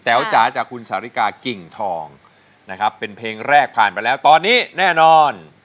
จ๋าจากคุณสาธิกากิ่งทองนะครับเป็นเพลงแรกผ่านไปแล้วตอนนี้แน่นอน